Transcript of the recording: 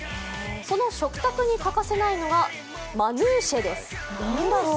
その食卓に欠かせないのがマヌーシェです。